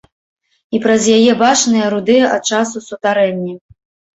І праз яе бачныя рудыя ад часу сутарэнні.